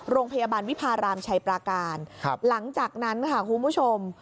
โรงพยาบาลวิพารามชัยปราการหลังจากนั้นค่ะคุณผู้ชม